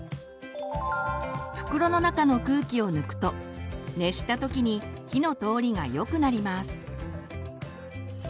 袋の中の空気を抜くと熱した時に火の通りがよくなります。